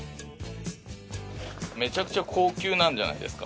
めちゃくちゃ高級なんじゃないですか？